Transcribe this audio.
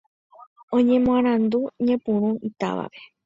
Oñemoarandu ñepyrũ itávape